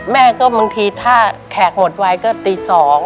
แม่ก็บางทีถ้าแขกหมดไวก็ตี๒